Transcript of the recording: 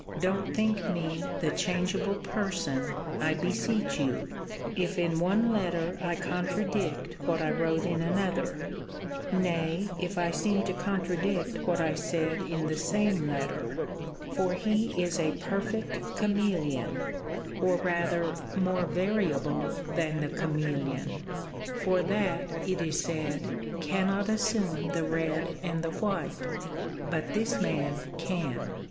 Don't think me the changeable person, I beseech you, if in one letter I contradict what I wrote in another; nay, if I seem to contradict what I said in the same letter: for he is a perfect camelion; or rather more variable than the camelion; for that, it is said, cannot assume the red and the white; but this man can.